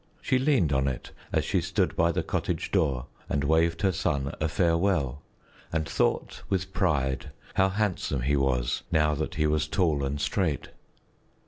She leaned on it as she stood by the cottage door and waved her son a farewell and thought with pride how handsome he was now that he was tall and straight.